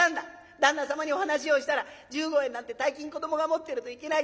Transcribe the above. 旦那様にお話をしたら１５円なんて大金子どもが持ってるといけない。